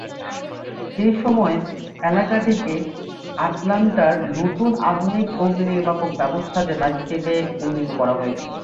সেই সময়ে, এলাকাটিকে "আটলান্টা'র নতুন আধুনিক অগ্নিনির্বাপক ব্যবসা জেলা" হিসাবে উন্নীত করা হয়েছিল।